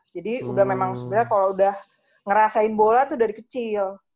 jadi udah memang sebenarnya kalo udah ngerasain bola tuh dari kecil